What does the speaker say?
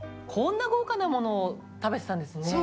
こんな豪華なものを食べてたんですね。